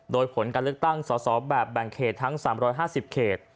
โดยผลการเลือกตั้งสอสอแบบแบ่งเขตทั้ง๓๕๐เขต